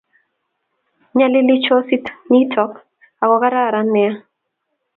Nyalil chosit nitok ak ko kararan nea